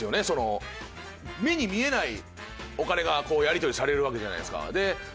その目に見えないお金がやり取りされるわけじゃないですか。